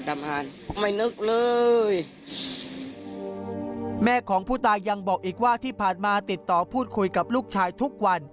แม่ของผู้ตายยังบอกอีกว่าที่ผ่านมาติดต่อพูดคุยกับลูกชายทุกวัน